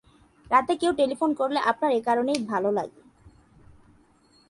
রাতে কেউ টেলিফোন করলে আপনার এ-কারণেই ভালো লাগে।